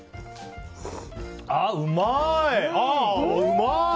ああ、うまい！